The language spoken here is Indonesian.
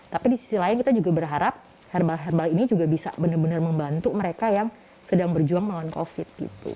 tapi di sisi lain kita juga berharap herbal herbal ini juga bisa benar benar membantu mereka yang sedang berjuang melawan covid gitu